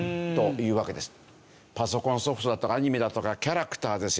パソコンソフトだとかアニメだとかキャラクターですよね。